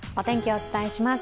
お伝えします。